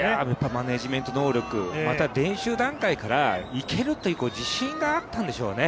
マネージメント能力、また練習段階からいけるっていう自信があったんでしょうね。